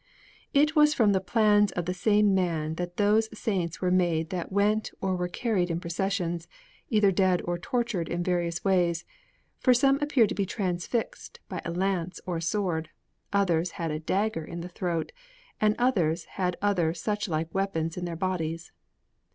It was from the plans of the same man that those saints were made that went or were carried in processions, either dead or tortured in various ways, for some appeared to be transfixed by a lance or a sword, others had a dagger in the throat, and others had other suchlike weapons in their bodies.